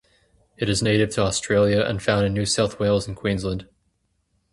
It is native to Australia and found in New South Wales and Queensland.